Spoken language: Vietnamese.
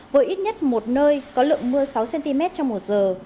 với ít nhất một nơi có lượng mưa sáu cm trong một giờ